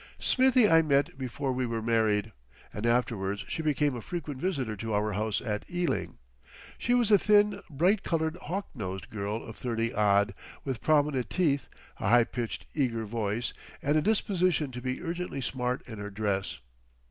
Smithie I met before we were married, and afterwards she became a frequent visitor to our house at Ealing. She was a thin, bright eyed, hawk nosed girl of thirtyodd, with prominent teeth, a high pitched, eager voice and a disposition to be urgently smart in her dress.